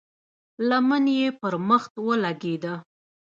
لمن يې پر مخ ولګېده.